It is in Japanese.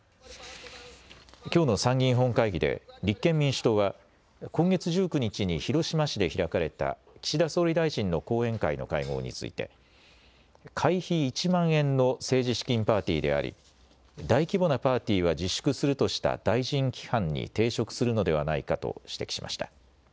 きょうの参議院本会議で立憲民主党は今月１９日に広島市で開かれた岸田総理大臣の後援会の会合について会費１万円の政治資金パーティーであり大規模なパーティーは自粛するとした大臣規範に抵触するのではないかと指摘しました。